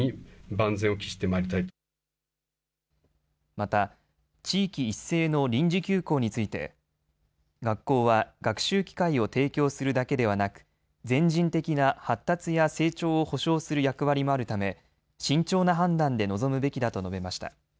また地域一斉の臨時休校について学校は学習機会を提供するだけではなく全人的な発達や成長を保障する役割もあるため慎重な判断で臨むべきだと述べました。